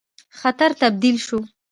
خطر تبدیل شو.